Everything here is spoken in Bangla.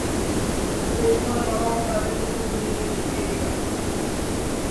ওদের এই ধরনের কথাবার্তায় আমিও কৌতুহলী হয়ে সেদিকে এগিয়ে গেলাম।